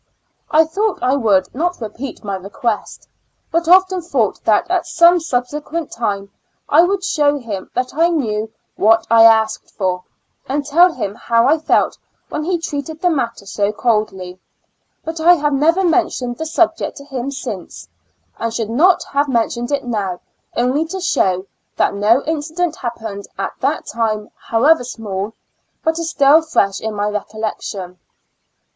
I thought I would not repeat my request, but often thought that at some subsequent time I would show him that I knew what I asked for, and tell him how I felt when he treated the matter so coldly ; but I have never mentioned the subject to him since, and should not have mentioned it now, only to show, that no incident happened at that time, however small, but is still fresh in my recollection.